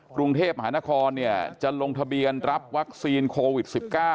กรุงเทพมหานครจะลงทะเบียนรับวัคซีนโควิด๑๙